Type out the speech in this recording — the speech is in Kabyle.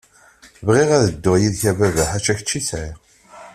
Bɣiɣ ad dduɣ yid-k a baba, ḥaca kečč i sɛiɣ.